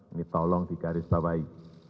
ini tolong di garis bawahi